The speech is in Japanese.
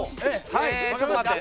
えちょっと待って。